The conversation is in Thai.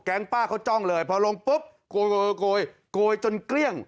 ป้าเขาจ้องเลยพอลงปุ๊บโกยโกยจนเกลี้ยง